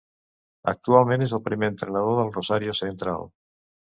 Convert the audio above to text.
Actualment és el primer entrenador del Rosario Central.